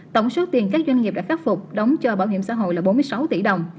tổng số tiền các doanh nghiệp đã khắc phục đóng cho bảo hiểm xã hội là bốn mươi sáu tỷ đồng